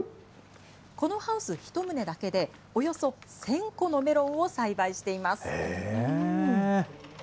このハウス１棟だけで、およそ１０００個のメロンを栽培しています。